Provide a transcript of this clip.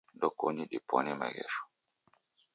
Ndokonyi dipwanye maghesho.